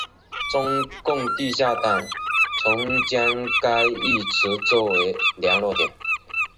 中共地下党曾将该浴池作为联络点。